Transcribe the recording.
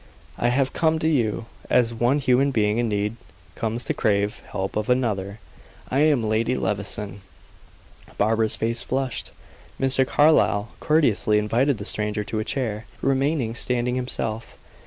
"I have come to you as one human being in need comes to crave help of another. I am Lady Levison." Barbara's face flushed. Mr. Carlyle courteously invited the stranger to a chair, remaining standing himself.